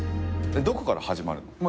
どこから始まるの？